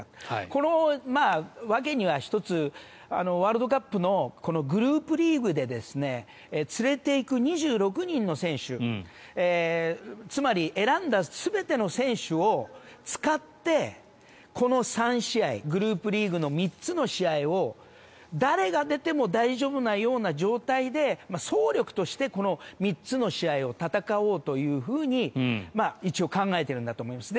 この訳には１つワールドカップのグループリーグで連れていく２６人の選手つまり選んだ全ての選手を使ってこの３試合グループリーグの３つの試合を誰が出ても大丈夫なような状態で総力として３つの試合を戦おうというふうに一応、考えているんだと思います。